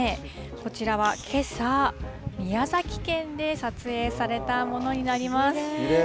こちらはけさ、宮崎県で撮影されたものになります。